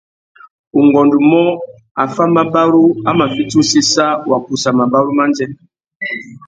Ungôndumô, affámabarú a mà fiti usséssa wa kussa mabarú mandjê.